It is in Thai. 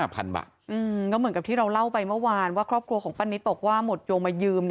ก็เหมือนกับที่เราเล่าไปเมื่อวานว่าครอบครัวของป้านิตบอกว่าหมดโยงมายืม